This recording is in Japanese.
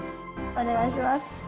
お願いします。